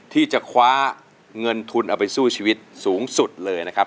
ที่จะคว้าเงินทุนเอาไปสู้ชีวิตสูงสุดเลยนะครับ